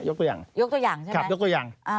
ตัวอย่างยกตัวอย่างใช่ไหมครับยกตัวอย่าง